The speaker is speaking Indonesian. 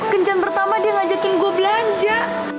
kencang pertama dia ngajakin gue belanja